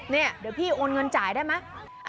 เนี่ยเดี๋ยวพี่โอนเงินจ่ายได้ไหม